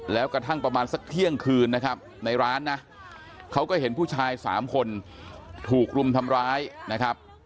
แล้วกระทั่งประมาณสักเที่ยงคืนนะครับในร้านนะเขาก็เห็นผู้ชาย๓คนถูกรุมทำร้ายนะครับ